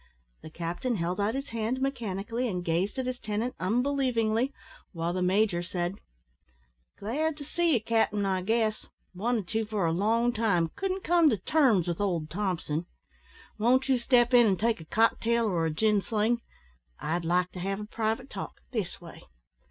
The captain held out his hand mechanically and gazed at his tenant unbelievingly, while the major said "Glad to see ye, cap'n, I guess. Wanted to for a long time. Couldn't come to terms with old Thompson. Won't you step in and take a cocktail or a gin sling? I'd like to have a private talk this way."